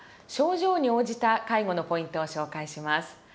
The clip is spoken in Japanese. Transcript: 症状に応じた介護のポイントを紹介します。